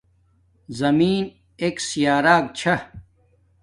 زمین ایک سیارک چھا